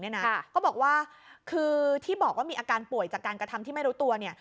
ก็บอกว่าคือที่บอกว่ามีอาการป่วยจากการกระทำที่ไม่รู้ตัวเนี่ย